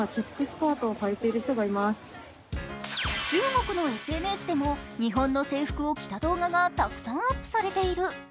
中国のＳＮＳでも日本の制服を着た動画がたくさんアップされている。